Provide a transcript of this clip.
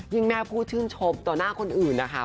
ยิ่งแม่พูดชึดชมต่อหน้าคนอื่นนะคะ